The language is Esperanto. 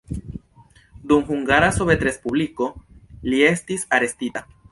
Dum Hungara Sovetrespubliko li estis arestita.